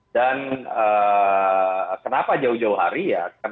kenapa jauh jauh hari ya